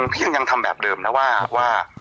พี่ยังทำแบบเดิมนะว่า